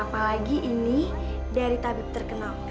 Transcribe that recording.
apalagi ini dari tabib terkenal